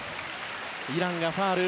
イランがファウル。